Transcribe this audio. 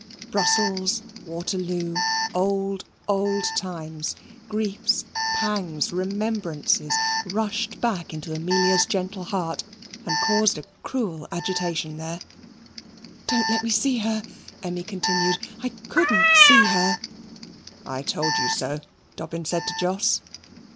Brussels, Waterloo, old, old times, griefs, pangs, remembrances, rushed back into Amelia's gentle heart and caused a cruel agitation there. "Don't let me see her," Emmy continued. "I couldn't see her." "I told you so," Dobbin said to Jos.